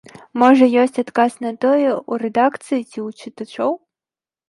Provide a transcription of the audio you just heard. Можа, ёсць адказ на тое ў рэдакцыі ці ў чытачоў?